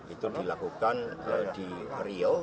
itu dilakukan di riau